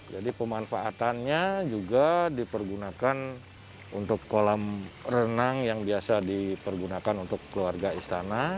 jadi pemanfaatannya juga dipergunakan untuk kolam renang yang biasa dipergunakan untuk keluarga istana